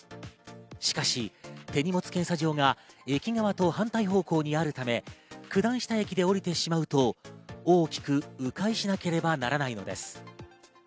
しかし、手荷物検査場が駅側と反対方向にあるため、九段下駅で降りてしまうと大きく迂回しなければならないのです。